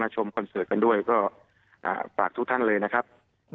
คอนเสิร์ตกันด้วยก็ฝากทุกท่านเลยนะครับ